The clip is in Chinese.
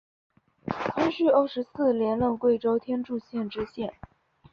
光绪二十四年任贵州天柱县知县。